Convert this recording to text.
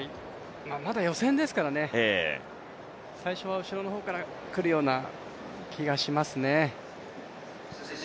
まだ予選ですからね、最初は後ろの方から来るような気がしますね。